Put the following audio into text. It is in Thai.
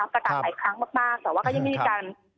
ประกาศหลายครั้งมากแต่ว่าก็ยังไม่มีการ